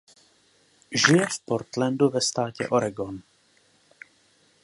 Žije v Portlandu ve státě Oregon.